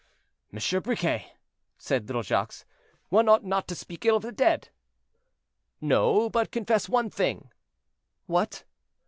"Monsieur Briquet," said little Jacques, "one ought not to speak ill of the dead." "No; but confess one thing." "What?"